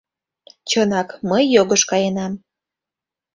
Чынак, мый йогыш каенам.